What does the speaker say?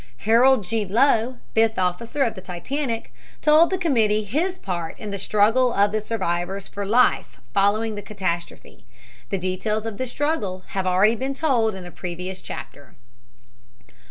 Harold G. Lowe, fifth officer of the Titanic, told the committee his part in the struggle of the survivors for life following the catastrophe. The details of this struggle have have already been told in a previous chapter.